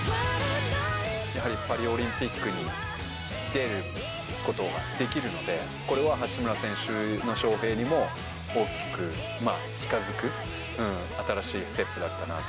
やはりパリオリンピックに出ることができるので、これは八村選手の招へいにも大きく近づく新しいステップだったなと。